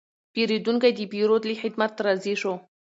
پیرودونکی د پیرود له خدمت راضي شو.